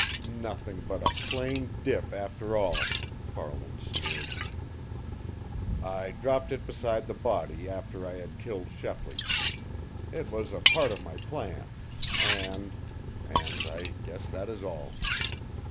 "Nothing but a plain dip, after all!" Farland sneered. "I dropped it beside the body after I had killed Shepley. It was a part of my plan. And and I guess that is all!"